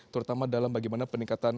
terutama dalam bagaimana peningkatan